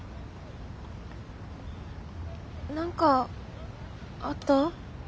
何かあった？